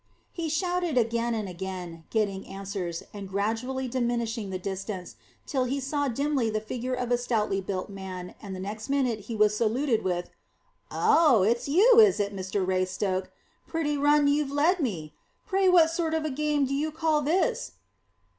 He shouted again and again, getting answers, and gradually diminishing the distance, till he saw dimly the figure of a stoutly built man, and the next minute he was saluted with, "Oh, it's you, is it, Mr Raystoke? Pretty run you've led me. Pray what sort of a game do you call this?"